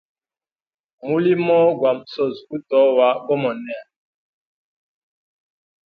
Mulimo gwa musozi gutowa gomoneya.